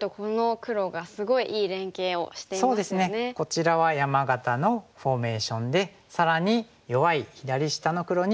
こちらは山型のフォーメーションで更に弱い左下の黒に援軍を送っています。